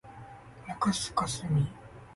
中須かすみ